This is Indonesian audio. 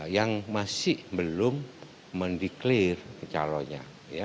yang masih belum mendeklir calonnya